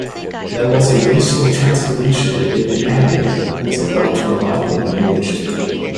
There was a racial transformation within the area, as a white revival emerged.